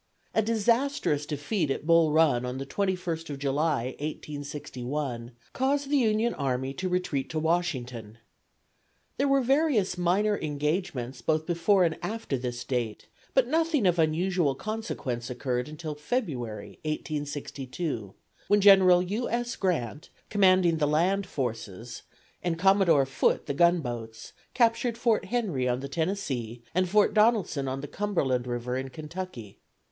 A disastrous defeat at Bull Run on the 21st of July, 1861, caused the Union Army to retreat to Washington. There were various minor engagements both before and after this date, but nothing of unusual consequence occurred until February, 1862, when General U. S. Grant, commanding the land forces, and Commodore Foote the gunboats, captured Fort Henry on the Tennessee, and Fort Donelson on the Cumberland River in Kentucky.